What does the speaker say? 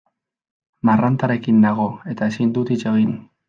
Marrantarekin nago eta ezin dut hitz egin.